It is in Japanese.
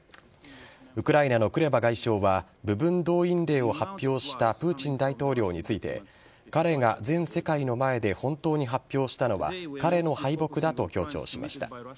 ウクライナのクレバ外相は部分動員令を発表したプーチン大統領について彼が全世界の前で本当に発表したのは彼の敗北だと強調しました。